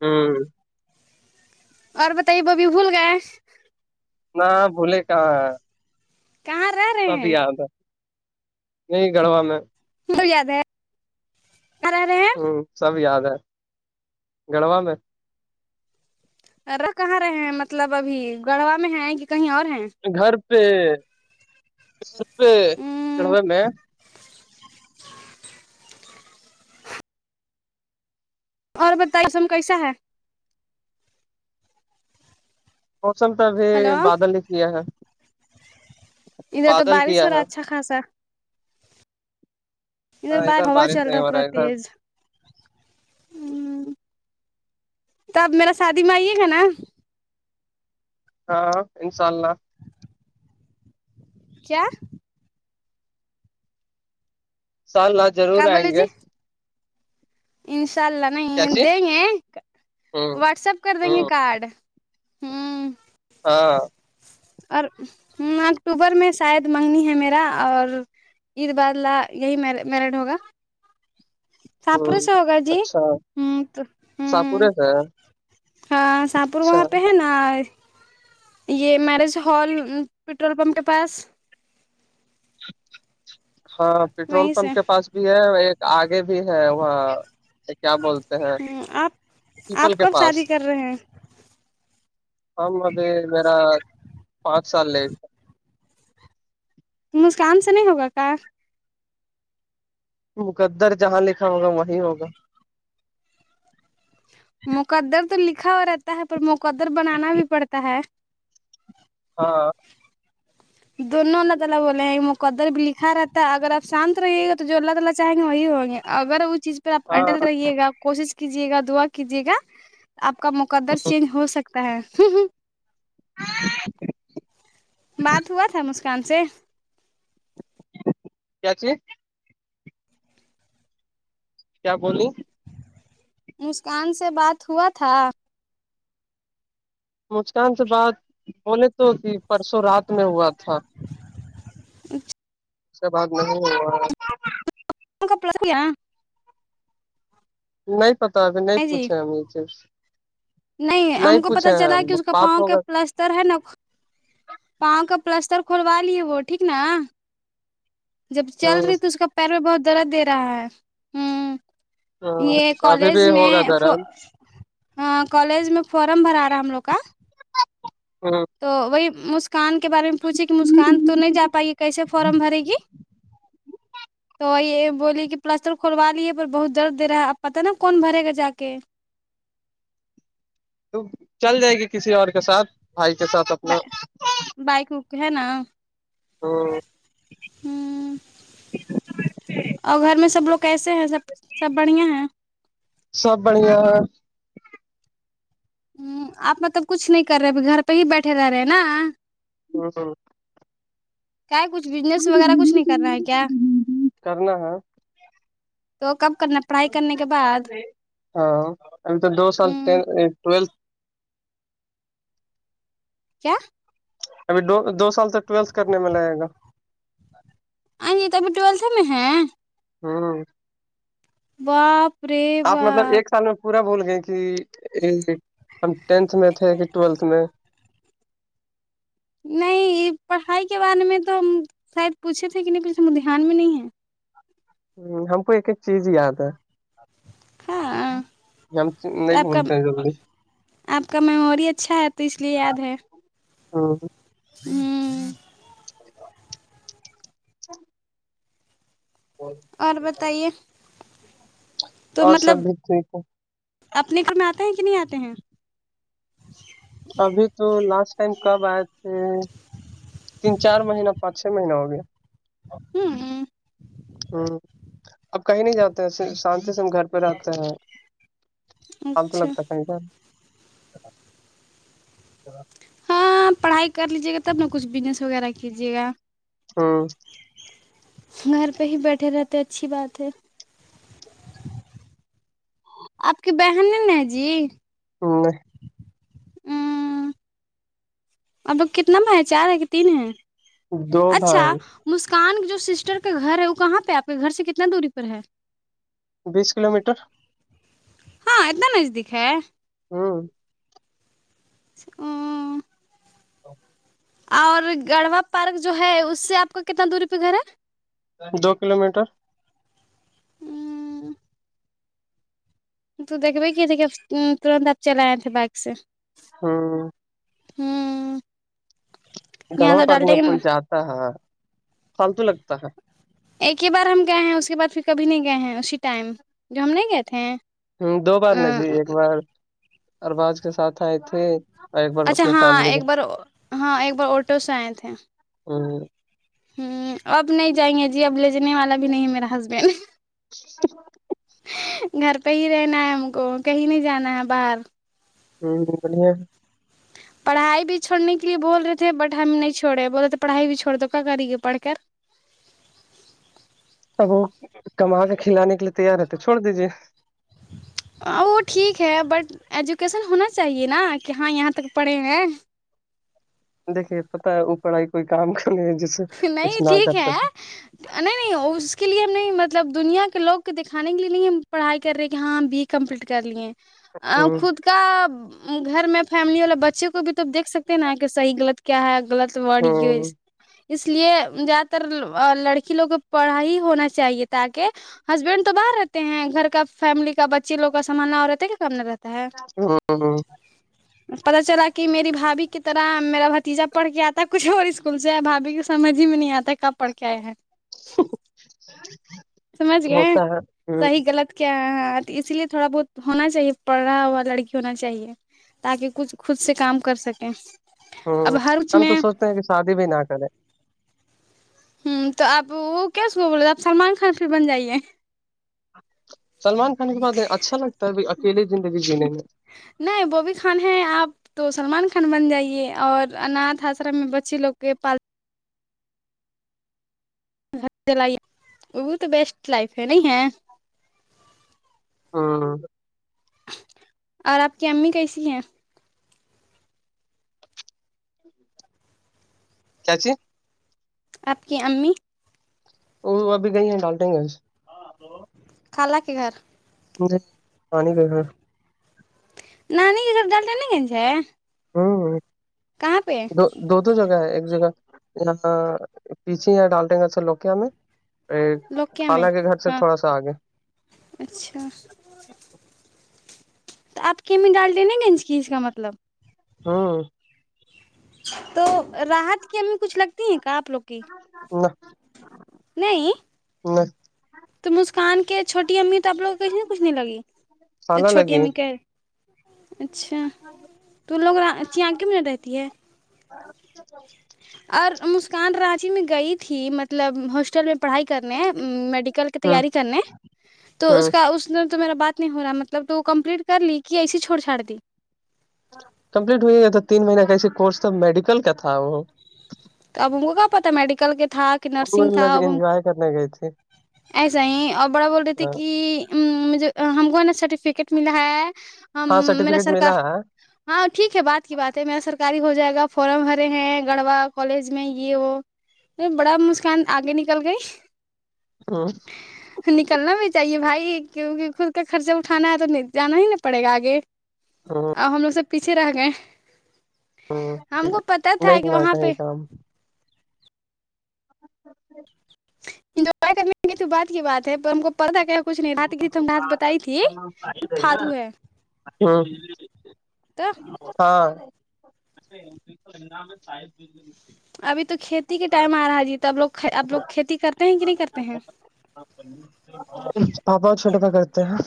ہوں اور بتائیے ببھی بھول گئے نہ بھول کہاں کہاں رہ رہے سب ہیں آیا تھا نہیں گڑوا میں م زد ہےرے ہ سب یاد ہے گڑوا میں ار کہاں رہے ہیں مطلب ابھی گھوا میں ہیں کہ کہیں اور ہیں گھر پہ گھر پہ ام چڑھوے میں اور بتائیے س ہم کیسا ہے موسم پ ابھی ہلو بادل ہی کیا ہے ادھر تو بادل بارش کیا ہو ہے رہا اچھا خاصا ادھر ہاں باہار ہا بارش چل نہیں رہا ہے ہو پورا ادھر تیز ہ تو اب میرا شادی میں آئیے گا نا ہاں انشاء اللہ کیااہ سال الات ضرور کیا آئیں بولے گے جی انشاء اللہ نہیں کیاچی دیں گے ہوں واٹسپ کر دیں گے ہوں کارڈ ہوں ہاں اور ہ اکتوبر میں شاید منگنی ہے میرا اور عید بادلہ یہی م میرڈ ہوگا سپرو ہوں سے ہوگا جی اچھا ہ تو ساپورے ہوں سے ہے، ہاں شاہپور اچھا وہاں پہ ہے نا یہ میرج ہال پٹرول پمپ کے پاس ہاں پیٹرول وہیں سے پمپ کے پاس بھی ہے ایک آگے بھی ہے وہاں کیا بولتے ہیں ہ آپ پیپل آپ کے کب شادی پاس کر رہے ہیں ہم ابھی میرا پانچ سال لے مسکان سے نہیں ہوگا کا مقدر جہاں لکھا ہوگا وہیں ہوگا مقدر تو لکھا ہوا رہتا ہے پر مقدر بنانا بھی پڑتا ہے ہاں دونوں اللہ تعالی بو لے ہیں مقدر بھی لکھا رہتا اگر آپ شانت رہے گا تو جو اللہ تالی چاہیں گے وہی ہوں ہوگا اگر وہ چیز پھر آپ ہاں اٹل رہیے گا کوشش کیجیے گا دعا کیجے گا آپ کا مقدس چینج ہو سکے ہوتا ہے [unintelligible] بات ہوا تھا مسکان سے کیا چیز کیا بولو مسکان سے بات ہوا تھا مسکان سے بات بولے تو کہ پرسوں رات میں ہوا تھا [unintelligible] اس سے بات نہیں [unintelligible] نہیں پتا ابھی نہیں جی پوچھے ہم اسے نہیں ہم کو پتا چلا کہ اس کا بات پاؤں کا ہوگا پلستر ہے نا پاؤں کا پلستر کھلوا لیے وہ ٹھیک نا جب چل ہ رہی تو اس کا پیر پہ بہت درد دے رہا ہے ہوں ہ یہ ابھی کالج بھی میں ہوگا درن ہاں کالج میں فارم بھرا رہا ہے ہم لوگ کا ہاں تو وہی مسکان کے بارے میں پوچے کہ مسکان تو نہیں جا پائی کیسے فارم بھرے گی [inaudible] تو یہ بولیے کہ پلستر کھلوا لیے پر بہت درد دے رہا ہے آپ پتا نا کون بھرے گا جا کے تو چل جائے گی کسی اور کے ساتھ بھائی کے ساتھ اپنا بائکک ہے نا ہ اور گھر میں سب لوگ کیسے ہیں سب سب بڑھیا ہیں سب بڑھیا ہے آپ تو کچھ نہیں کر رہے گھر پہ ہی بیٹھے رہ رہے ہیں نا [unintelligible] ہ ہاں کیا کچھ ودیوس وغیرہ کچھ نہیں کر رہا ہے کیا کرنا ہے تو کب کرنا پڑھائی کرنے کے بعد ہاں پھر تو دو سال ہ ٹینتھ عند ٹویلتھ کیا ابھی دو دو سال تک ٹویلتھ کرنے میں لگے گا جی تو ابھی ٹویلتھ میں ہے ہوں وپ آپ مطلب ایک سال میں پورا بھول گئی تھی ہم ٹینتھ میں تھے کہ ٹویلتھ میں نہیں یہ پڑھائی کے بارے میں تو شاید پوچھے تھے کہ نہیں کچھ ہم دھیان میں نہیں ہے ہم کو ایک ایک چیز یاد ہے ہاں ہم ہم نہیں آپ کا بولتے ہیں آپ کا میموری اچھا ہے تو اس لیے یاد ہے ہاں م [inaudible] اور بتائیے تو اور سب مطلب بھی ٹھیک ہے اپنے گھر میں آتے ہیں کہ نہیں آتے ہیں ابھی تو لاسٹ ٹائم کب آئے تھے تین چار مہینہ پانچ چھ مہینہ ہو گیا ہاں ہوں اب کہیں نہیں جاتے ہیں صر شانتی سے ہم گھر پہ آتے ہیں چال تو اچھا لگتا ہے سیں گ ہاں پڑھائی کر لیجیے گا تب نہ کچھ بزنس وغیرہ کیجیے گا ہاں گھر پہ ہی بیٹھے رہتے اچھی بات ہے آپ کی بہن ن جی ہ ا اب کتنا میں ہے چار ہے کہ تین ہے دو اچھا بھائی مسکان جو سسٹر کے گھر ہے وہ کہاں پہ آپ کے گھر سے کتنا دوری پر ہے بیس کلو میٹر ہاں اتنا نجدیک ہے ہاں ا اور گڑھوا پارک جو ہے اس سے آپ کا کتنا دوری پہ گھر ہے دو کلو میٹر تو دیکھے کی دیکھیے ترنت آپ چل آئے تھے بائک سے ہاں ہوں یہاں گڑوا تو پر ڈالٹے میں گے نا، کوئی جاتا ہے فالتو لگتا ہے ایک ہی بار ہم گئے ہیں اس کے بعد پھر کبھی نہیں گئے ہیں اسی ٹائم جو ہم نہیں گئے تھے ہیں ہ دو بار ن جی ایک بار ارباز کے ساتھ آئے تھے اور ایک بار اچھا اپنی ہاں فیملی ایک کو بار ہاں ایک بار آٹو سے آئے تھے اوراں ہ اب نہیں جائیں گے جی اب لے جاننے والا بھی نہیں ہے میرا ہسبینڈ اچ گھر پہ ہی رہنا ہے ہم کو کہیں نہیں جانا ہے باہر ہوں بڑھیا پڑھائی بھی چھوڑنے کے لیے بول رہے تھے بٹ ہم نہیں چوڑے بول رہے تھے پڑھائی بھی چھوڑ دو کیا کری گے پڑ کر اب وہ کما کے کھلانے کے لیے تیار ہےتے چھوڑ دیجیے وہ ٹھیک ہے بٹ ایجوکیسن ہونا چاہیے نا کہ ہاں یہاں تک پڑھے ہیں دیکھیے پت ہے وہ پڑھائی کوئی کام کرنے جس سے نہیں کچھ نہ ٹھیک کر سکے ہے نہیں نہیں اس کے لیے ہم نہیں مطلب دنیا کے لوگ کو دیککھانے کے لیے نہیں ہم پڑھائی کر رہے کہ ہاں بی کمپلیٹ کر لیے ہ آ خود کا گھر میں فیملی والے بچوں کو بھی تو دیکھ سکتے ہیں نا کہ صحیحغط کیا ہے غلط ہ توڑیس اس لیے زیادہ تر لڑکی لوگوں پڑھائی ہی ہونا چاہیے تاکہ ہسبینڈ تو باہر رہتے ہیں گھر کا فیملی کا بچی لوگ کا سنھالنا اور رہتا ہے کیا کام نہیں رہتا ہے ہاں ہاں پتا چلا کہ میری بھابھی کی طرح میرا بھتیجا پڑھ کے آتا کچھ اور اسکول ہے بھابھی کو سمجھ ہی میں نہیں آتا ہے کب پڑھ کے آئے ہیں [inaudible] سمجھ گئے ہوتا ہے ہ صحیح غلط کیا اسی لیے تھوڑا بہت ہونا چاہیے پڑھا ہوا لڑکی ہونا چاہیے تاکہ کچھ خود سے کام کر سکیں ہوں اب ہر کچھ ہم تو میں ہ سوچتے ہیں کہ شادی بھی نہ کریں ہوں تو آپ وہ کیسے ہو بولے تھ آپ سلمان خان پھر بن جائیے سلمان خان کی بات ہے اچھا لگتا ہے اکیلی زندگی جینے میں نہیں ببی خان ہے آپ تو سلمان خان بن جائیے اور اناتھ آسرا میں بچے لوگ کے پال چلائیے وہ تو بیسٹ لائف ہے نہیں ہے ہاں اور آپ کی امی کیسی ہیں کیاچ آپ کی امی وہ ابھی گئی ہیں ڈالٹیں گے کالا کے گھر پانی گئے نانی کےدھر ڈالتے نہیں گ ہوں ہ دو دو دو جگہ ہے ایک جگہ یہاں پیچے ڈالٹینگا س لوکیا میں ایک لوکیا میں فالہ کے گھر سے ہاں تھوڑا سا آگے اچھا تو آپ کیم ڈال دینےا گنج کی اس کا مطلب ہاں تو راحت کی ہمیں کچھ لگتی ہیں کیا آپ لوگ کی نہ نہیں نہ تو مسکان کے چھوٹی امی تو آپ لوگ کو کسی نہ کچھ نہیں لگ خالہ چھوٹی لگی امی کے اچھا تو لوگ آگے میں رہتی ہے ہاں اور مسکان رانچی میں گئی تھی مطلب ہاسٹل میں پڑھائی کرنے میڈیکل کی ہوں تیاری کرنے تو اس ہوں کا اس ات تو میرا بات نہیں ہو رہا مطلب تو کمپلیٹ کر لی کہ ایے ہی چوڑ چاڑ دی کمپلیٹ ہوئی گیا تھا تین مہینہ کا ایے کورس تھا میڈیکل کا تھا وہ تو اب ان کو کیا پتا میڈیکل کے تھااک کہ وہ نرسنگ تھا مطلب اب ہم انجوائے کرنے گئی تھی ایسا ہی اور بڑا بول رہے تھے ہاں کہ مجھے ہم کو سرٹیفکیٹ ملا ہے ہم ہاں میرا سرٹیفکیٹ ملا سرکار ہے ہاں ٹھیک ہے بات کی بات ہے میرا سرکاری ہو جائے گا فورارم بھرے ہیں گڑبا کالج میں یہ وہ بڑا مسکان آگے نکل گئی ہاں ہ نکلنا بھی چاہیے بھائی کیونکہ خود کا خرچہ اٹھانا ہے تو جانا ہی ن پڑے گا آگے ہوں ا ہم لوگ سب پیچھے رہ گئے ہوں ہم کو پتا تھا نہیں کہ کرنا ہے وہاں پہ کہیں کام انجوائے کرنے کی تو بات کی بات ہے ہم کو پڑدا کیا کچھ نہیں رات گیت ہم نے ہات بتائی تھی کہ فتو ہے ہ تو ہاں ابھی تو کھیتی کے ٹائم آ رہا ہے جی تو اب لوگ اب لوگ کھیتی کرتے ہیں کہ نہیں کرتے ہیں پاپا چھوٹا پھا کرتے ہیں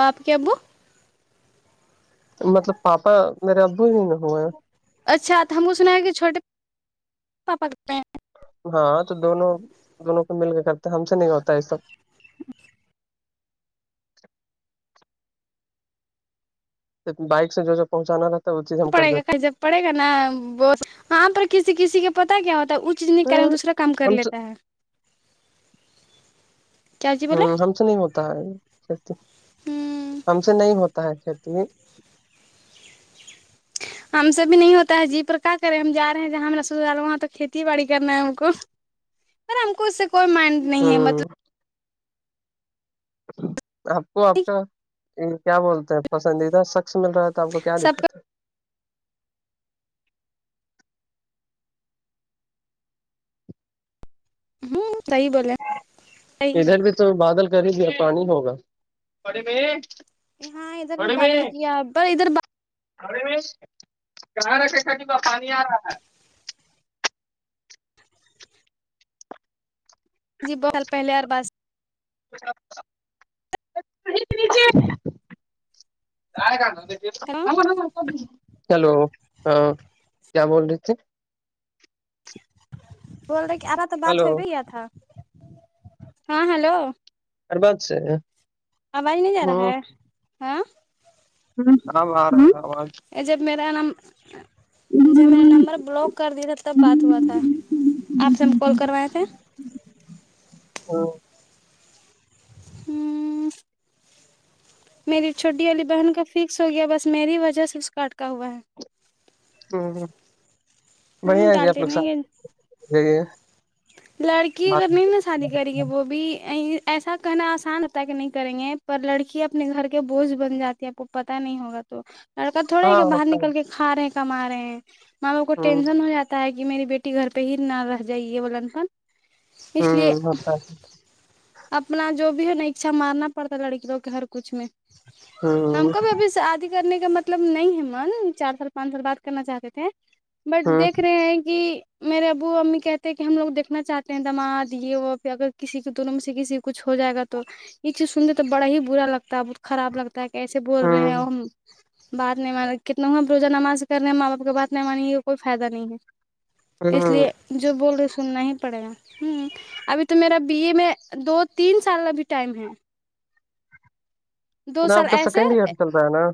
آپ کیا بک مطلب پاپا میرے ابو ہی میں ہوا ہے اچھا تو ہم کو سنا ہے کہ چھوٹے پاپا کرتے ہیں ہاں تو دونوں دونوں کو مل کے کرتے ہم سے نہیں ہوتا یہ سب بائک سے جو پہنچانا ل پڑے گا کہ جب پڑے گا نا ب وہاں پر کسی کسی کا پتا کیا ہوتا ہے اس چیز نہیں ہیں کر دوسرا کام کر ہم سے لیتا ہے کیا جی ہ بولے ہم سے نہیں ہوتا ہے کھیتی ہوں ہم سے نہیں ہوتا ہے کھیتی ہم سےب بھی نہیں ہوتا ہے جی پر کیا کریں ہم جا رہے ہیں جہاں ہم ر س وہاں تو کھیتی باڑی کرنا ہے ہم کو س ہم کو اس سے کوئی مائنڈ نہیں ہے ہاں مطلب آپ کو آپ کا یہ کیا بولتے ہیں پسندیدہ شخص مل رہا تھا تو آپ کو کیا سب دقت ہے ہوں صاہ بولے صحیح ہے ادھر بھی تو بادل کر ہی دیا پانی ہوگا ہاں ادھر بھی بادل کیا پر ادھر ارے کہاں رکھ ک ج کا پانی آ رہا ہے جی بہ سال پہلے اور بات ائے گ ن ہیلو ہیلو ہاں کیا بول رہی تھھی بول رہے کہ ارا تو بات ہلو ہو بھییا تھا ہاں ہلو ارباد سے آواز نہیں جا رہا ہے ہاں ہ بار آواز ای جب میرا نام جب میرا نمبر بلاک کر دیا تھا تب بات ہوا تھا آپ سے ہم کال کروائے تھے ا ہوں میری چھوٹی والی بہن کا فکس ہو گیا بس میری وجہ سے اس کاٹکا ہوا ہے ہ ہ بڑھیا ہوں ہے جی آپ ڈالتے لوگھ نہیں لڑکی اگر نہیں نا شادی کری کے وہ بھی ایسا کہنا آسان ہوتا ہے کہ نہیں کریں گے پر لڑکی اپنے گھر کے بوجھ بن جاتی ہے تو پتہ نہیں ہوگا تو لڑکا تھوڑا ہی ہاں کہ باہر ہوتا ہے نکل کے کھا رہے ہیں کما رہے ہیں ماں باپ کو ہ ٹینشن ہو جاتا ہے کہ میری بیٹی گھر پہ ہی نہ رہ جائے یہ بلن پن اس لیے ہ ہوتا ہے اپنا جو بھی ہے نا اچھا مارنا پڑتا ہے لڑکیوں کے ہر کچھ میں ہم ہ کو بھی ابھی سے آد کرنے کا مطلب نہیں ہے مان چار سال پانچ سال بات کرنا چاہتے تھے بٹ دیکھ رہے ہیں کہ میرے ابو امی کہتے کہ کہ ہم لوگ دیکھنا چاہتے ہیں دماد یہ وہ پھر اگر کسی کے دونوں میں سے کسی کچھ ہو جائے گا تو یہ چیز سننے تو بڑا ہی برا لگتا ہے بہت خراب لگتا ہے کیسے بول ہ رہے ہیں اور ہم بات نہیں مان کتنےوں ہم روزہ نماز کرنے ہیں ماں باپ کی بات نہیں مانیں گ یہ کوئی فائدہ نہیں ہے ہ اس ہ لیے جو بول رہے سننا ہی پڑے گا ہوں ابھی تو میرا بی اے میں دو تین سال کا بھی ٹائم ہے دو نہا آپ سال کا سیکنڈ ایسے ایئر چل رہا ہے نا